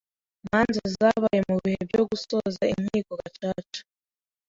manza zabaye mu bihe byo gusoza Inkiko Gacaca